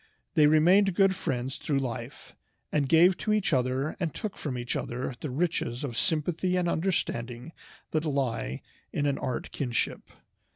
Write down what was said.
They remained good friends through life, and gave to each other and took from each other the riches of sympathy and understanding that lie in an art kinship.